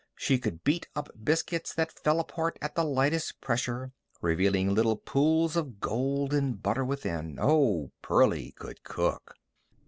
She could beat up biscuits that fell apart at the lightest pressure, revealing little pools of golden butter within. Oh, Pearlie could cook!